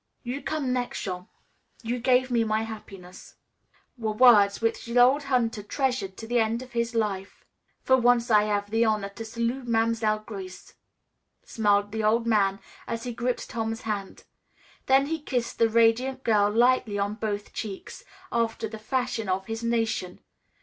"You come next, Jean. You gave me my happiness," were words which the old hunter treasured to the end of his life. "For once I hav' the honor to salut' Mam'selle Grace," smiled the old man as he gripped Tom's hand. Then he kissed the radiant girl lightly on both cheeks, after the fashion of his nation.